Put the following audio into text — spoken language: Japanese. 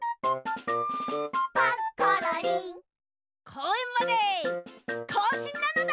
こうえんまでこうしんなのだ！